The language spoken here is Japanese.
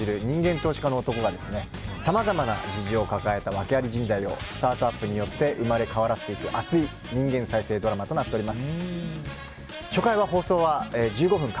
投資家の男がさまざまな事情を抱えた訳アリ人材をスタートアップによって生まれ変わらせていく熱い人間再生ドラマとなっています。